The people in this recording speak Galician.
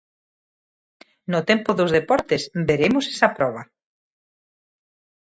No tempo dos deportes, veremos esa proba.